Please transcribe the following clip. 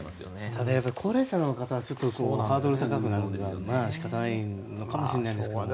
ただ、高齢者の方はハードルが高くなっちゃうのは仕方ないのかもしれないですけども。